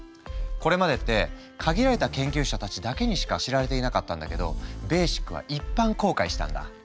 これまでって限られた研究者たちだけにしか知られていなかったんだけどベーシックは一般公開したんだ。